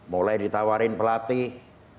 mulai ditawarin pelatih